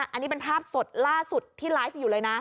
อันนี้เป็นภาพสดล่าสุดที่ไลฟ์อยู่เลยนะ